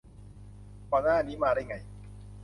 ก่อนหน้านี้มาได้ไง